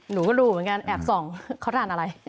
หนูก็รู้เหมือนกันแอบส่องเขาทานอะไร